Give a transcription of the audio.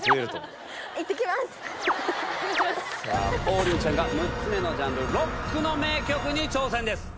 王林ちゃんが６つ目のジャンル「ロック」の名曲に挑戦です。